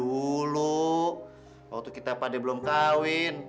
dulu waktu kita pade belum kawin